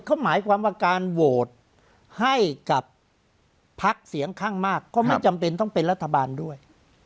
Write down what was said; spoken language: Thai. เขาหมายความว่าการโหวตให้กับพักเสียงข้างมากก็ไม่จำเป็นต้องเป็นรัฐบาลด้วย